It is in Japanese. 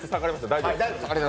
大丈夫？